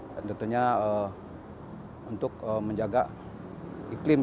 dan tentunya untuk menjaga iklim